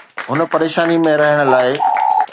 هن پريشاني ۾ رهڻ لاء.